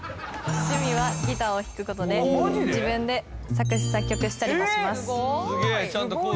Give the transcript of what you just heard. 「趣味はギターを弾くことで自分で作詞作曲したりもします」